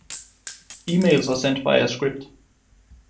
Emails are sent by a script